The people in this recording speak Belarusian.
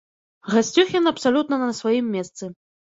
Гасцюхін абсалютна на сваім месцы.